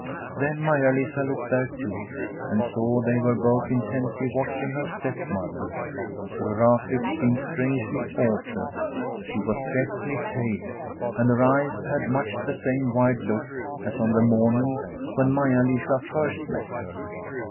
Then Maia Lisa looked there too and saw they were both intently watching her step mother. Fru Raklitz seemed strangely altered. She was deathly pale, and her eyes had much the same wild look as on the morning when Maia Lisa first met her.